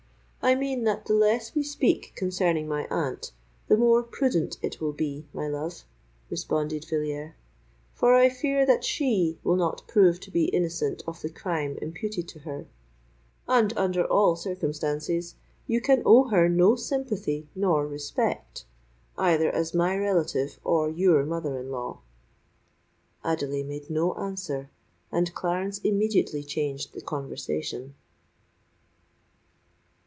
"I mean that the less we speak concerning my aunt, the more prudent it will be, my love," responded Villiers; "for I fear that she will not prove to be innocent of the crime imputed to her—and, under all circumstances, you can owe her no sympathy nor respect, either as my relative or your mother in law." Adelais made no answer; and Clarence immediately changed the conversation.